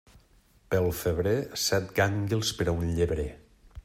Pel febrer, set gànguils per a un llebrer.